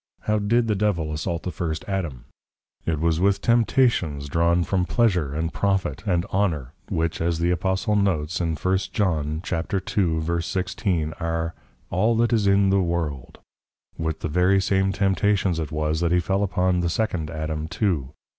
How did the Devil assault the First Adam? It was with Temptations drawn from Pleasure, and Profit, and Honour, which, as the Apostle notes, in 1 Joh. 2.16. are, All that is in the World. With the very same temptations it was, that he fell upon the Second Adam too.